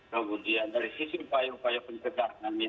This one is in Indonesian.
kemudian dari sisi upaya upaya pencegahan yang lain ini